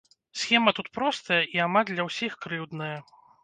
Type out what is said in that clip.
Схема тут простая, і амаль для ўсіх крыўдная.